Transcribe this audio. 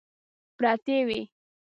پرتې وې.